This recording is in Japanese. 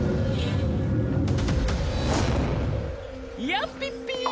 やっぴっぴー！